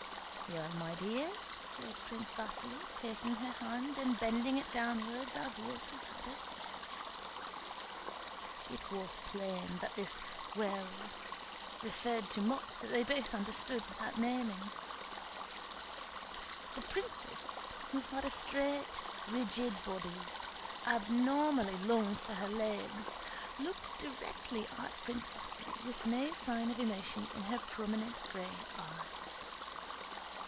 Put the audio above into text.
"Well, my dear?" said Prince Vasíli, taking her hand and bending it downwards as was his habit. It was plain that this "well?" referred to much that they both understood without naming. The princess, who had a straight, rigid body, abnormally long for her legs, looked directly at Prince Vasíli with no sign of emotion in her prominent gray eyes.